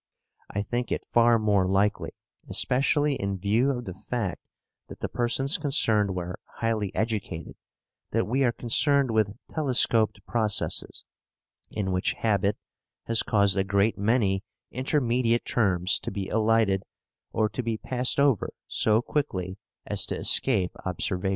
I think it far more likely, especially in view of the fact that the persons concerned were highly educated, that we are concerned with telescoped processes, in which habit has caused a great many intermediate terms to be elided or to be passed over so quickly as to escape observation.